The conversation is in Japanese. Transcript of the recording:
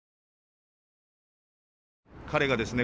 彼がですね